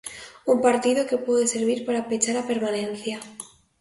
Un partido que pode servir para pechar a permanencia.